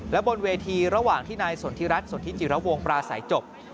และบนเวทีระหว่างที่นายสนทิรัฐสนทิจิระวงปราศัยจบ